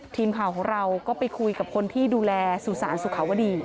ทีมข่าวของเราก็ไปคุยกับคนที่ดูแลสุสานสุขาวดี